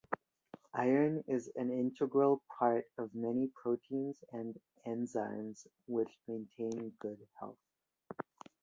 Iron is an integral part of many proteins and enzymes which maintain good health.